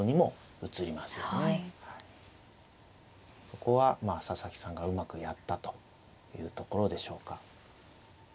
そこはまあ佐々木さんがうまくやったというところでしょうか。